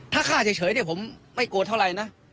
ถ้าฆ่าเฉยผมไม่โกรธเท่าไรนะ